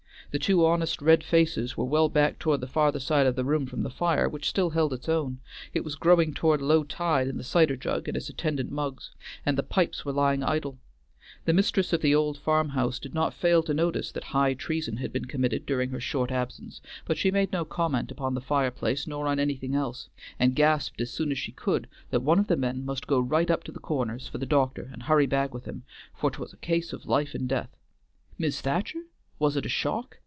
The two honest red faces were well back toward the farther side of the room from the fire, which still held its own; it was growing toward low tide in the cider jug and its attendant mugs, and the pipes were lying idle. The mistress of the old farm house did not fail to notice that high treason had been committed during her short absence, but she made no comment upon the fireplace nor on anything else, and gasped as soon as she could that one of the men must go right up to the Corners for the doctor and hurry back with him, for't was a case of life and death. "Mis' Thacher?" "Was it a shock?"